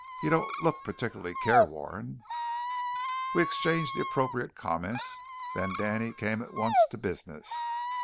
"You don't look particularly careworn." We exchanged the appropriate comments; then Danny came at once to business.